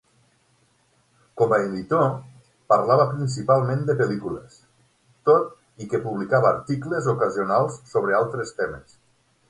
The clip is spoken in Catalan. Com a editor, parlava principalment de pel·lícules, tot i que publicava articles ocasionals sobre altres temes.